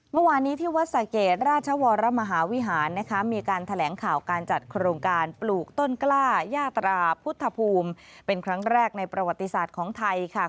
เมื่อวานนี้ที่วัดสะเกดราชวรมหาวิหารนะคะมีการแถลงข่าวการจัดโครงการปลูกต้นกล้ายาตราพุทธภูมิเป็นครั้งแรกในประวัติศาสตร์ของไทยค่ะ